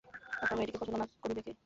আপনার মেয়েটিকে পছন্দ না করিবে কে?